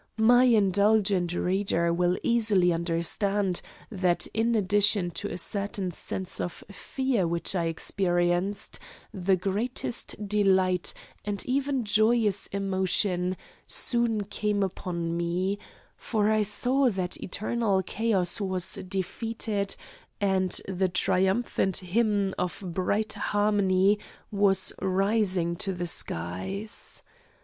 My indulgent reader will easily understand that in addition to a certain sense of fear which I experienced, the greatest delight and even joyous emotion soon came upon me for I saw that eternal chaos was defeated and the triumphant hymn of bright harmony was rising to the skies....